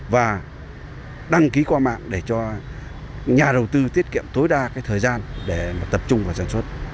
và đăng ký qua mạng để cho nhà đầu tư tiết kiệm tối đa thời gian để tập trung vào sản xuất